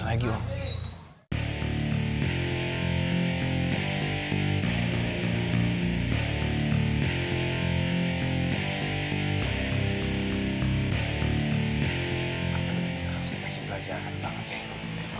kamu harus dikasih pelajaran bang oke